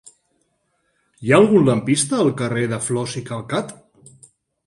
Hi ha algun lampista al carrer de Flos i Calcat?